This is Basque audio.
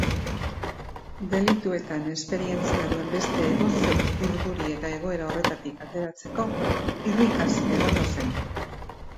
Delituetan esperientzia duen beste edozein urduri eta egoera horretatik ateratzeko irrikaz egongo zen.